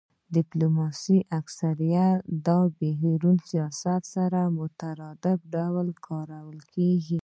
ډیپلوماسي اکثرا د بهرني سیاست سره په مترادف ډول کارول کیږي